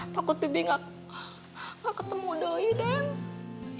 takut bibi gak ketemu doi den